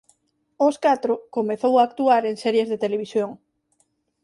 Ós catro comezou a actuar en series de televisión.